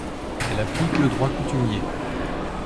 Elle applique le droit coutumier.